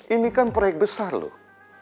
ini kan proyek besar loh